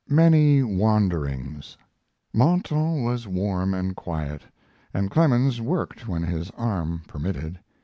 MANY WANDERINGS Mentone was warm and quiet, and Clemens worked when his arm permitted.